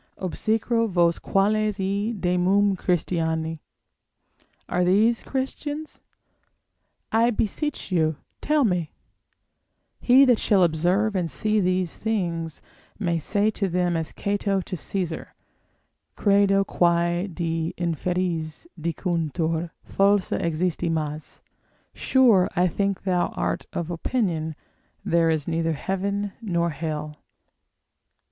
Obsecro vos quales hi demum Christiani! Are these Christians? I beseech you tell me: he that shall observe and see these things, may say to them as Cato to Caesar, credo quae de inferis dicuntur falsa existimas, sure I think thou art of opinion there is neither heaven nor hell.